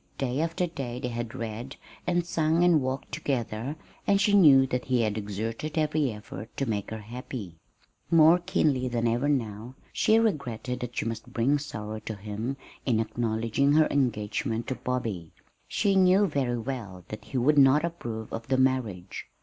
Day after day they had read, and sung and walked together; and she knew that he had exerted every effort to make her happy. More keenly than ever now she regretted that she must bring sorrow to him in acknowledging her engagement to Bobby. She knew very well that he would not approve of the marriage.